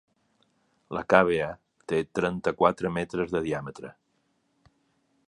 La càvea té trenta-quatre metres de diàmetre.